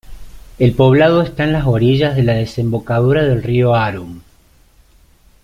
El poblado está en las orillas de la desembocadura del Río Arun.